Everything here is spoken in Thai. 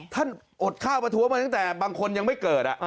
ยอดข้าวประท้วงมาตั้งแต่บางคนยังไม่เกิด